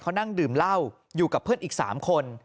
เขานั่งดื่มเหล้าอยู่กับเพื่อนอีก๓คน